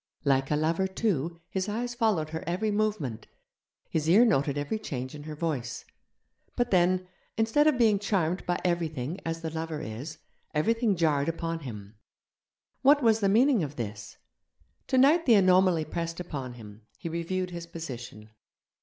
Like a lover, too, his eyes followed her every movement, his ear noted every change in her voice. But then, instead of being charmed by everything as the lover is, everything jarred upon him. What was the meaning of this? Tonight the anomaly pressed upon him: he reviewed his position.